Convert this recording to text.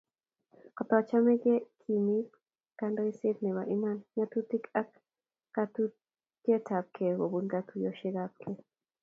Kotochome kekimit kandoiset nebo iman, ngatutik ak katuiyetabkei kobun katuiyosiekabke